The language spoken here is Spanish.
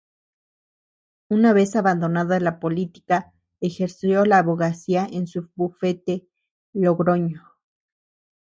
Una vez abandonada la política ejerció la abogacía en su bufete de Logroño.